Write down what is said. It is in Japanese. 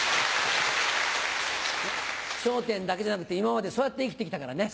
『笑点』だけじゃなくて今までそうやって生きて来たからね。